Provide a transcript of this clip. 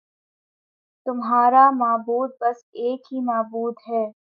تمہارا معبود بس ایک ہی معبود ہے